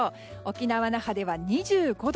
沖縄・那覇では２５度。